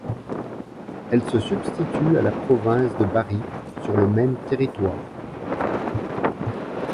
Elle se substitue à la province de Bari sur le même territoire.